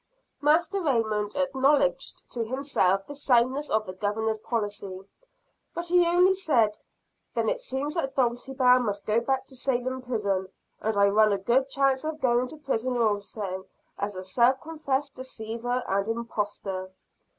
Master Raymond acknowledged to himself the soundness of the Governor's policy; but he only said: "Then it seems that Dulcibel must go back to Salem prison; and I run a good chance of going to prison also, as a self confessed deceiver and impostor."